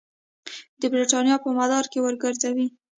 د برټانیې په مدار کې وګرځوي.